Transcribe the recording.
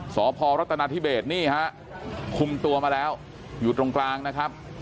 สพรัฐนาธิเบสนี่ฮะคุมตัวมาแล้วอยู่ตรงกลางนะครับ